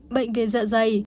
bệnh viên dạ dày